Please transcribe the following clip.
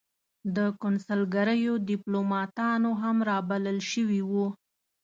د کنسلګریو دیپلوماتان هم را بلل شوي وو.